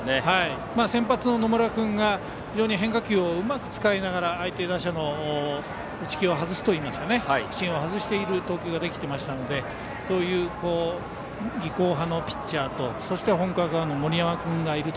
先発の野村君が非常に変化球をうまく使いながら相手打者の打ち気を外すといいますか芯を外す投球ができていたのでそうした技巧派のピッチャーとそして、本格派の森山君がいる。